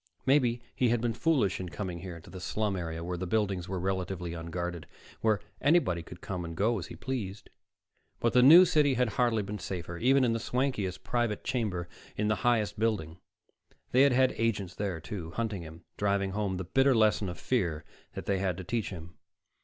Maybe he had been foolish in coming here to the slum area, where the buildings were relatively unguarded, where anybody could come and go as he pleased. But the New City had hardly been safer, even in the swankiest private chamber in the highest building. They had had agents there, too, hunting him, driving home the bitter lesson of fear they had to teach him.